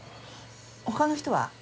他の人は？